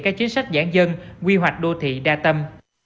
các chính sách giãn dân quy hoạch đô thị đa tâm